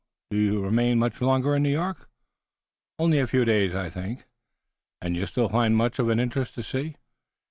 Do you remain much longer in New York?" "Only a few days, I think." "And you still find much of interest to see?"